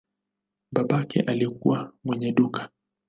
Babake alikuwa mwenye duka.